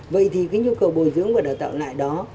vậy thì cái nhu cầu bồi dưỡng và đào tạo lại đó